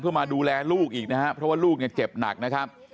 เพื่อมาดูแลลูกอีกนะครับเพราะว่าลูกเนี่ยเจ็บหนักนะครับ